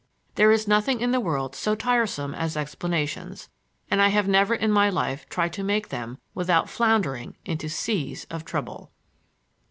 There is nothing in the world so tiresome as explanations, and I have never in my life tried to make them without floundering into seas of trouble.